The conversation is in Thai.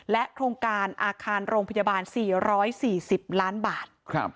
โครงการอาคารโรงพยาบาล๔๔๐ล้านบาท